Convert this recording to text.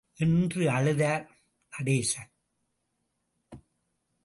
என்று அழுதார் நடேசன்.